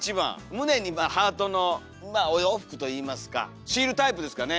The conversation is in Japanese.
胸にハートのまあお洋服といいますかシールタイプですかね？